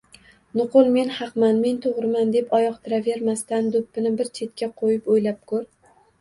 Nuqul men haqman, men toʻgʻriman deb oyoq tirayvermasdan, doʻppini bir chetga qoʻyib, oʻylab koʻr.